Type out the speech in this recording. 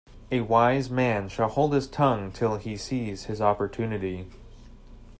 A wise man shall hold his tongue till he sees his opportunity.